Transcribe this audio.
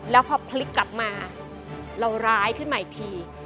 แล้วพอพลิกกลับมาเราร้ายขึ้นมาอีกที